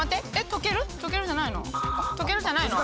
トけるじゃないの？